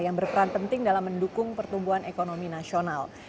yang berperan penting dalam mendukung pertumbuhan ekonomi nasional